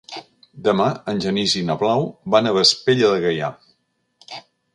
Demà en Genís i na Blau van a Vespella de Gaià.